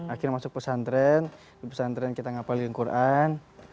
akhirnya masuk pesantren pesantren kita ngapain al quran